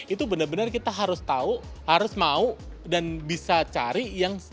itu benar benar kita harus tahu harus mau dan bisa cari yang